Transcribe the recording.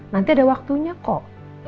nanti ada waktunya kok